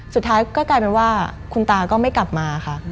สุดท้ายก็กลายเป็นว่าคุณตาก็ไม่กลับมาค่ะ